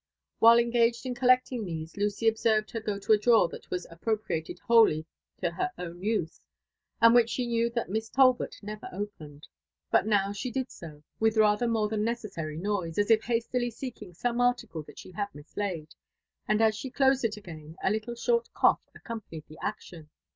While engaged in collecting these, Lucy observed her go to a drawer that was appropriated wholly to her own use, and which she knew that Miss Talbot never opened ; but now she did so, with rather more than necessary noise, as if hastily seekmg some article that she had mislaid — and as she closed it again, a little short cough accompanied the action.